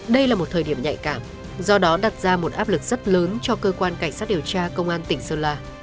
đây là một thời điểm nhạy cảm do đó đặt ra một áp lực rất lớn cho cơ quan cảnh sát điều tra công an tỉnh sơn la